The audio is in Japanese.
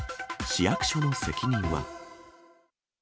市役所の責任は？